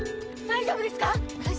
大丈夫ですか？